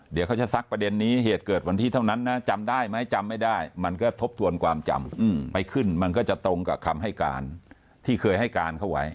เดี๋ยวเขาจะซักประเด็นนี้เหตุเกิดวันที่เท่านั้นนะจำได้ไหมจำไม่ได้มันก็ทบทวนความจำไม่ขึ้นมันก็จะตรงกับคำให้การที่เคยให้การเขาไว้